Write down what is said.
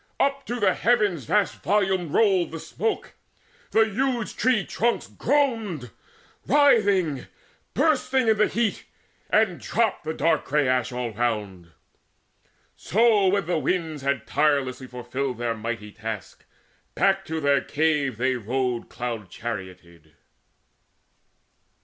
Up to the heavens Vast volumed rolled the smoke. The huge tree trunks Groaned, writhing, bursting, in the heat, and dropped The dark grey ash all round. So when the winds Had tirelessly fulfilled their mighty task, Back to their cave they rode cloud charioted.